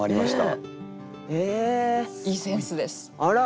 いいセンスです。